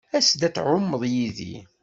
As-d ad tɛummeḍ yid-i.